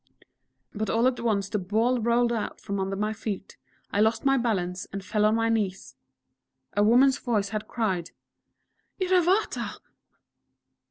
But all at once the Ball rolled out from under my feet, I lost my balance, and fell on my knees.... A woman's voice had cried: "_Iravata!